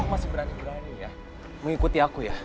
aku masih berani berani ya mengikuti aku ya